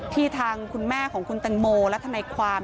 ทางคุณแม่ของคุณแตงโมและทนายความ